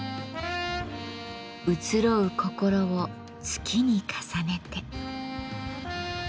移ろう心を月に重ねて。